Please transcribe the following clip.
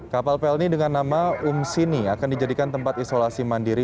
kapal pelni dengan nama umsini akan dijadikan tempat isolasi mandiri